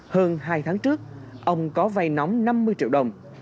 hơn hai tháng trước ông có vay nóng năm mươi triệu đồng